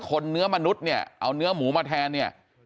เนื้อมนุษย์เนี่ยเอาเนื้อหมูมาแทนเนี่ย